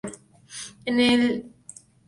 En esta ocasión Toru Kawamura fue el baterista.